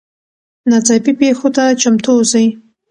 ناڅاپي پیښو ته چمتو اوسئ.